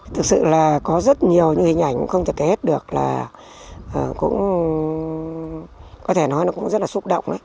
thực sự là có rất nhiều những hình ảnh không thể kết được là cũng có thể nói là cũng rất là xúc động